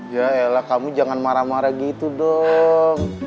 ya ella kamu jangan marah marah gitu dong